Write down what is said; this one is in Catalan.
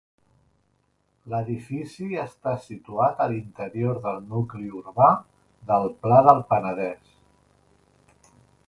L'edifici està situat a l'interior del nucli urbà del Pla del Penedès.